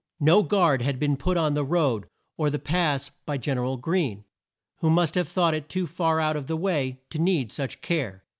No guard had been put on the road or the pass by Gen er al Greene, who must have thought it too far out of the way to need such care.